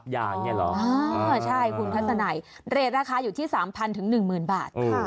ยางเนี่ยเหรอคุณพัฒนาเรทราคาอยู่ที่๓๐๐๐๑๐๐๐๐บาท